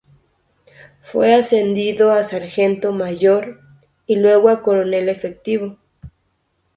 Fue ascendido a sargento mayor y luego a coronel efectivo.